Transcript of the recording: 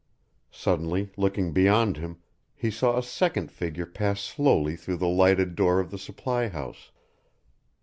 Suddenly, looking beyond him, he saw a second figure pass slowly through the lighted door of the supply house.